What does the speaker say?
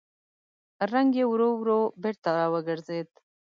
رنګ يې ورو ورو بېرته راوګرځېد.